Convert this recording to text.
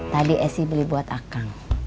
tadi essi beli buat akang